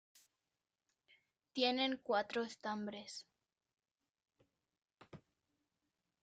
Tienen cuatro estambres.